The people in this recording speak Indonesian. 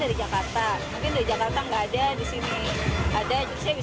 dari jakarta mungkin dari jakarta nggak ada di sini